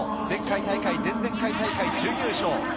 前回大会、前々回大会は準優勝。